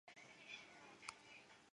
在实习和体验方面